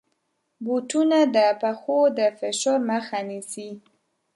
بوټونه د پښو د فشار مخه نیسي.